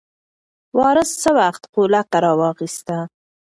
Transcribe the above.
وارث څه وخت غولکه راواخیسته؟